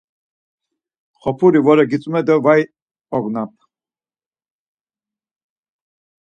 Xop̌uri vore gitzumer do var ognam.